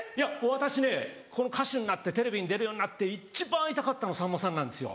私ね歌手になってテレビに出るようになって一番会いたかったのさんまさんなんですよ。